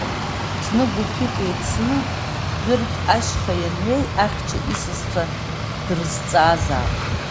Зны, гәыԥҩык еицны Жәыргь ашьха ианҩеи, ахьча исасцәа дрызҵаазаап…